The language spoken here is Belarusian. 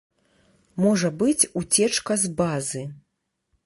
Можа быць уцечка з базы.